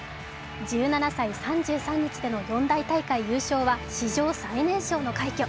１７歳３３日での四大大会優勝は史上最年少の快挙。